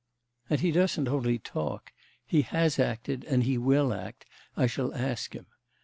And he doesn't only talk.... he has acted and he will act. I shall ask him....